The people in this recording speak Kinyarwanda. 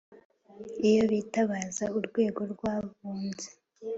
iyo bitabaza urwego rw’abunzi